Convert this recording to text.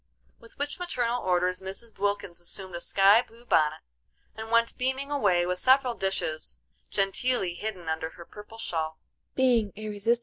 With which maternal orders Mrs. Wilkins assumed a sky blue bonnet, and went beaming away with several dishes genteelly hidden under her purple shawl.